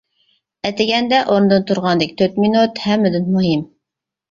ئەتىگەندە ئورنىدىن تۇرغاندىكى تۆت مىنۇت ھەممىدىن مۇھىم.